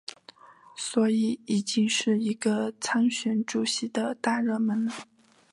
所以已经是一个参选主席的大热门。